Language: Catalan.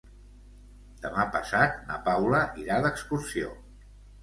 Demà passat na Paula irà d'excursió.